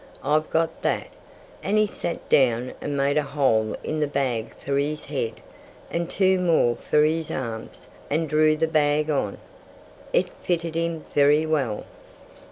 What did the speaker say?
"I've got that!" And he sat down and made a hole in the bag for his head, and two more for his arms, and drew the bag on. It fitted him very well.